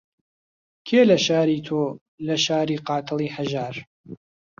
کێ لە شاری تۆ، لە شاری قاتڵی هەژار